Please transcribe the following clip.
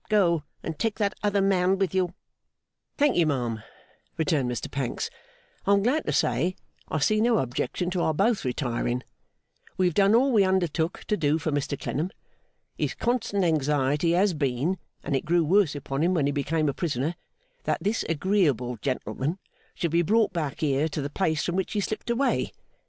Go. And take that other man with you.' 'Thank you, ma'am,' returned Mr Pancks, 'I am glad to say I see no objection to our both retiring. We have done all we undertook to do for Mr Clennam. His constant anxiety has been (and it grew worse upon him when he became a prisoner), that this agreeable gentleman should be brought back here to the place from which he slipped away.